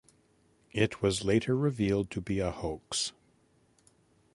It was later revealed to be a hoax.